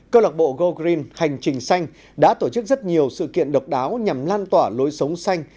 câu lạc bộ golgream hành trình xanh đã tổ chức rất nhiều sự kiện độc đáo nhằm lan tỏa lối sống xanh